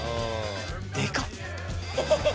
でかっ。